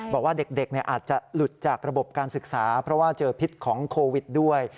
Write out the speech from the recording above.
บอกว่าเด็กอาจจะหลุดจากระบบการศึกษาเพราะว่าเจอพิษของโควิดด้วย